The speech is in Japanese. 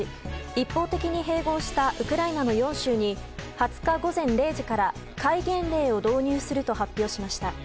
一方的に併合したウクライナの４州に２０日午前０時から戒厳令を導入すると発表しました。